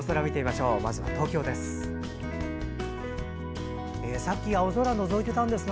まずは東京です。